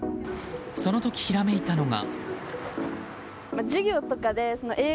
その時ひらめいたのが。